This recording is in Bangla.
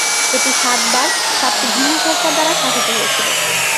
এটি সাতবার সাতটি ভিন্ন সরকার দ্বারা শাসিত হয়েছিল।